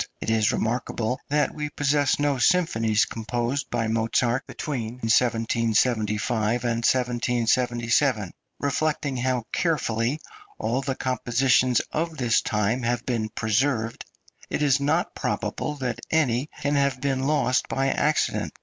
It is remarkable that we possess no symphonies composed by Mozart between 1775 and 1777. Reflecting how carefully all the compositions of this time have been preserved, it is not probable that any can have been lost by accident.